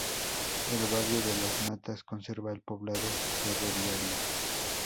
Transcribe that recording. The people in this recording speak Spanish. El barrio de las Matas conserva el poblado ferroviario.